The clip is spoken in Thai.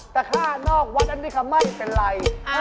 แต่ฆ่านอกวัดอันนี้ก็ไม่เป็นไร